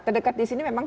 terdekat di sini memang